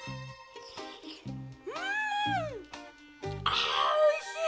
ああおいしい！